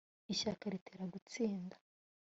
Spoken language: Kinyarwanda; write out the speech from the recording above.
ishyaka ritera gutsinda.